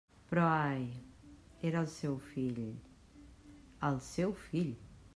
Però ai!, era el seu fill..., el seu fill!